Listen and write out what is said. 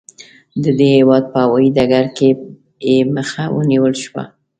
د دې هېواد په هوايي ډګر کې یې مخه ونیول شوه.